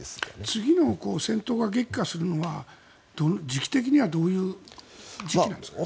次の戦闘が激化するのは時期的にはどういう時期なんですかね？